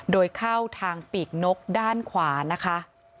โดยเข้าทางปีกนกด้านขวานะคะ